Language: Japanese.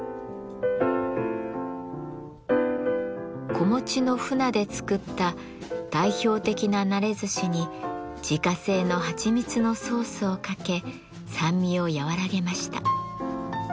子持ちの鮒で作った代表的な熟ずしに自家製の蜂蜜のソースをかけ酸味を和らげました。